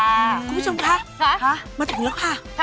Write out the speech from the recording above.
คุณผู้ชมคะมาถึงแล้วค่ะ